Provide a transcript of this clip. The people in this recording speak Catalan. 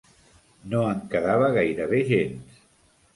No en quedava gairebé gens.